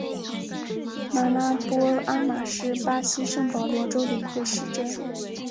马拉波阿马是巴西圣保罗州的一个市镇。